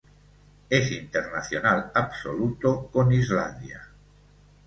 Es internacional absoluto con Islandia.